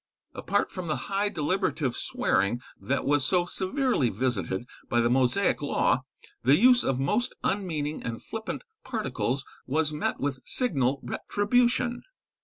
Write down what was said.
Apart from the high deliberative swearing that was so severely visited by the Mosaic law, the use of most unmeaning and flippant particles was met with signal retribution.